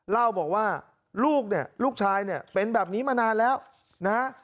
เล่าบอกว่าลูกเนี่ยลูกชายเนี่ยเป็นแบบนี้มานานแล้วนะ